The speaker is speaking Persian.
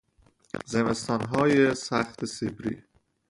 زمستانهای سخت سیبری